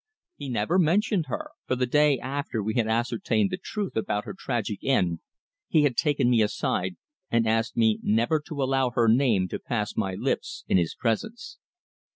He never mentioned her, for the day after we had ascertained the truth about her tragic end, he had taken me aside and asked me never to allow her name to pass my lips in his presence.